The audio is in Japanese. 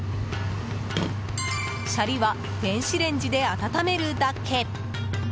シャリは電子レンジで温めるだけ。